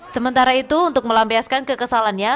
sementara itu untuk melampiaskan kekesalannya